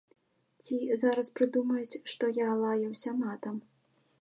Ці зараз прыдумаюць, што я лаяўся матам.